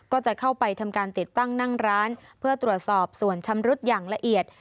ก็จะเข้าไปทำการติดตั้งนั่งร้านเพื่อตรวจสอบส่วนชำรุดอย่างละเอียด